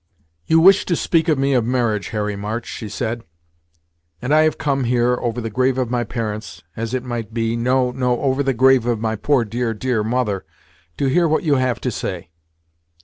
"You wish to speak to me of marriage, Harry March," she said, "and I have come here, over the grave of my parents, as it might be no no over the grave of my poor, dear, dear, mother, to hear what you have to say."